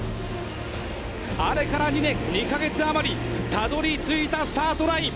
あれから２年２か月余り、たどりついたスタートライン。